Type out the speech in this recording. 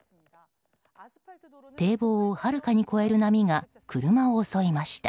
堤防をはるかに越える波が車を襲いました。